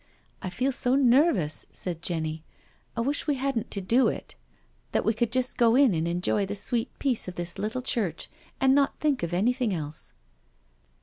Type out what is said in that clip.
" I feel so nervous," said Jenny, " I wish we hadn't to do it— that we could just go in and enjoy the sweet peace of this little church and not think of anything else."